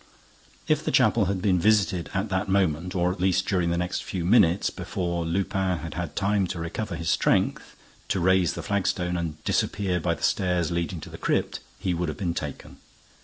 If the chapel had been visited at that moment or at least during the next few minutes, before Lupin had had time to recover his strength, to raise the flagstone and disappear by the stairs leading to the crypt, he would have been taken.